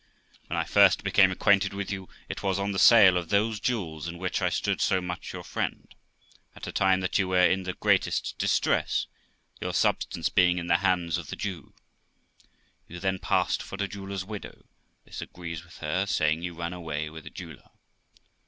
When I first became acquainted with you, it was on tfie sale of those jewels, in which I stood so much your friend, at a time that you were in the greatest distress, your substance being in the hands of the Jew; you then passed for a jeweller's widow; this agrees with her saying you ran away with a jeweller.